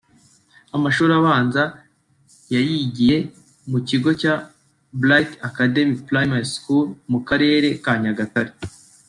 Amashuri abanza yayigiye mu kigo cya "Bright Academy Primary School" mu Karere ka Nyagatare